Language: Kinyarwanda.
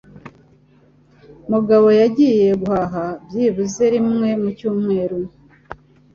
Mugabo yagiye guhaha byibuze rimwe mu cyumweru.